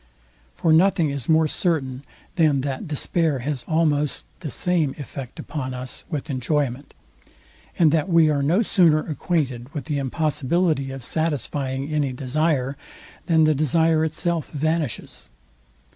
For nothing is more certain, than that despair has almost the same effect upon us with enjoyment, and that we are no sooner acquainted with the impossibility of satisfying any desire, than the desire itself vanishes.